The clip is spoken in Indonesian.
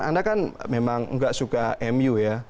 anda kan memang nggak suka mu ya